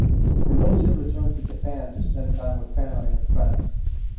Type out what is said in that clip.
Hirose returned to Japan to spend time with family and friends.